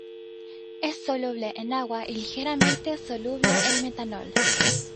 Es soluble en agua y ligeramente soluble en metanol.